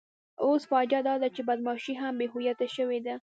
اوس فاجعه داده چې بدماشي هم بې هویته شوې ده.